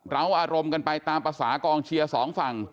อารมณ์กันไปตามภาษากองเชียร์สองฝั่ง